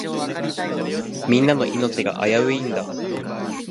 みんなの命が危ういんだ。